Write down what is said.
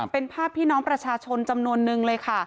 เป็นภาพพี่น้องประชาชนจำนวนนึงเลยค่ะ